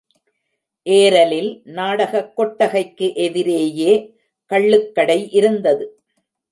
ஏரலில் நாடகக் கொட்டகைக்கு எதிரேயே கள்ளுக்கடை இருந்தது.